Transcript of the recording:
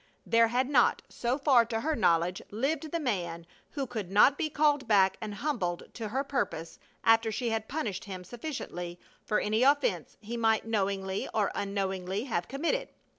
There had not, so far to her knowledge, lived the man who could not be called back and humbled to her purpose after she had punished him sufficiently for any offense he might knowingly or unknowingly have committed.